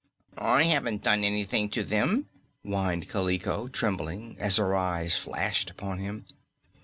"I haven't done anything to them," whined Kaliko, trembling as her eyes flashed upon him.